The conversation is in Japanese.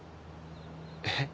えっ？